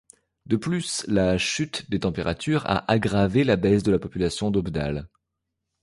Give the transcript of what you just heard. De plus, la chute des températures a aggravé la baisse de la population d'Oppdal.